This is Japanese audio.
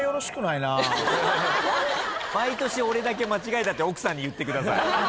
毎年「俺だけ間違えた」って奥さんに言ってください。